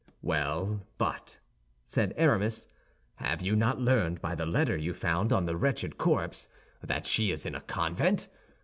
"Well, but," said Aramis, "have you not learned by the letter you found on the wretched corpse that she is in a convent?